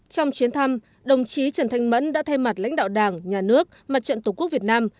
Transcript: trong chuyến thăm đồng chí trần thanh mẫn đã thay mặt lãnh đạo đảng nhà nước mặt trận tổ quốc việt nam